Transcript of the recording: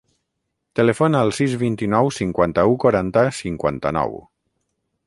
Telefona al sis, vint-i-nou, cinquanta-u, quaranta, cinquanta-nou.